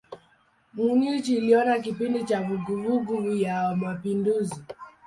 Munich iliona kipindi cha vuguvugu ya mapinduzi.